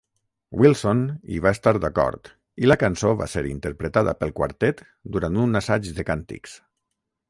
Wilson hi va estar d'acord i la cançó va ser interpretada pel quartet durant un assaig de càntics.